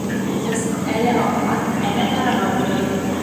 Сәсен әле аҡҡа, әле ҡараға буяй.